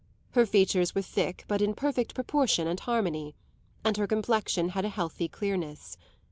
Her features were thick but in perfect proportion and harmony, and her complexion had a healthy clearness.